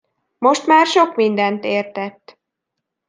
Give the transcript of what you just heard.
Most már sok mindent értett.